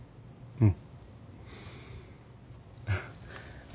うん。